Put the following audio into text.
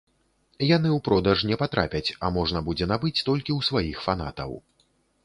Яны ў продаж не патрапяць, а можна будзе набыць толькі ў сваіх фанатаў.